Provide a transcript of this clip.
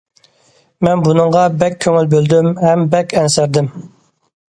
مەن بۇنىڭغا بەك كۆڭۈل بۆلدۈم ھەم بەك ئەنسىرىدىم.